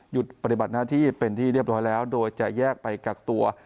ปฏิบัติหน้าที่เป็นที่เรียบร้อยแล้วโดยจะแยกไปกักตัว